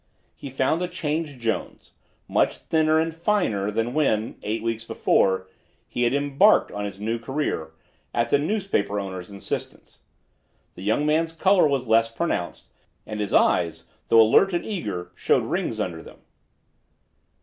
He found a changed Jones; much thinner and "finer" than when, eight weeks before, he had embarked on his new career, at the newspaper owner's instance. The young man's color was less pronounced, and his eyes, though alert and eager, showed rings under them.